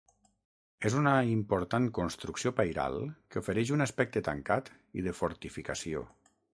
És una important construcció pairal que ofereix un aspecte tancat i de fortificació.